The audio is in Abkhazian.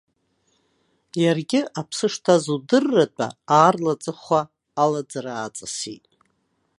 Иаргьы, аԥсы шҭаз удырратәа, аарла аҵыхәа алаӡара ааҵысит.